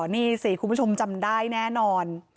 นี่สิคุณผู้ชมจำได้แน่นอน